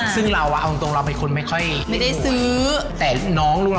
ซึ่งเราเอาจริงเราเป็นคนไม่ค่อยได้ดู